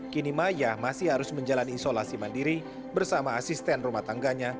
kini maya masih harus menjalani isolasi mandiri bersama asisten rumah tangganya